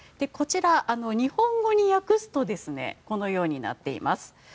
こちら、日本語に訳すとこのようになっています。